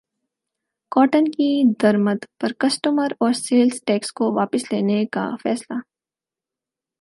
cotton کی درمد پر کسٹمز اور سیلز ٹیکس کو واپس لینے کا فیصلہ